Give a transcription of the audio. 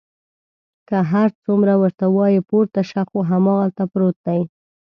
که هر څومره ورته وایي پورته شه، خو هماغلته پروت دی.